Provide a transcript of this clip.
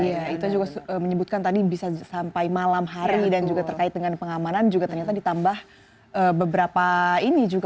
iya itu juga menyebutkan tadi bisa sampai malam hari dan juga terkait dengan pengamanan juga ternyata ditambah beberapa ini juga